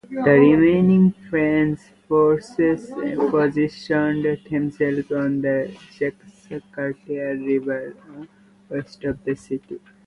The remaining French forces positioned themselves on the Jacques-Cartier River west of the city.